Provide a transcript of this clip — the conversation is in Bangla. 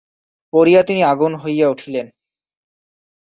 পড়িয়া তিনি আগুন হইয়া উঠিলেন।